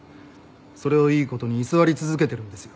それをいいことに居座り続けてるんですよ。